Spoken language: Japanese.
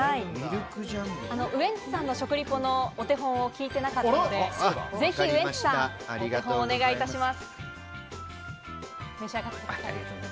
ウエンツさんの食リポのお手本を聞いてなかったので、ぜひウエンツさん、見本お願いいたします。